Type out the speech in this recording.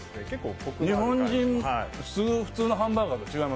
日本人普通のハンバーガーじゃない。